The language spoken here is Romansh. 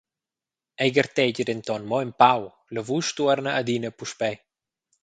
Ei gartegia denton mo empau, la vusch tuorna adina puspei.